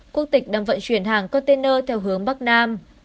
quốc tịch đang vận chuyển hàng container theo hướng bắc nam